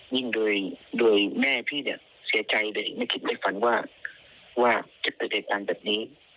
ยิ่งโดยแม่พี่เสียใจและไม่คิดไม่ฝันว่าจะติดตามแบบนี้